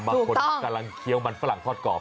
บางคนกำลังเคี้ยวมันฝรั่งทอดกรอบ